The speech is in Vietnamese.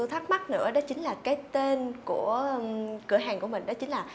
tôi thắc mắc nữa đó chính là cái tên của cửa hàng của mình đó chính là